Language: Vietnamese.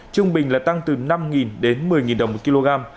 trung bình là tăng từ năm đến một mươi đồng một kg